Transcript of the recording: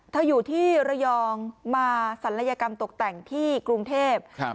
อยู่ที่ระยองมาศัลยกรรมตกแต่งที่กรุงเทพครับ